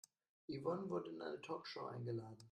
Yvonne wurde in eine Talkshow eingeladen.